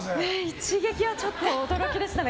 一撃はちょっと驚きでしたね。